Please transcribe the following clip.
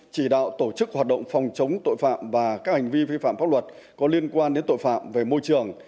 chỉ đạo tổ chức hoạt động phòng chống tội phạm và các hành vi vi phạm pháp luật có liên quan đến tội phạm về môi trường